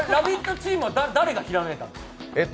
チームは誰がひらめいたんですか？